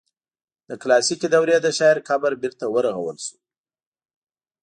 د کلاسیکي دورې د شاعر قبر بیرته ورغول شو.